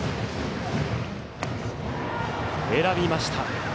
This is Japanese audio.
選びました。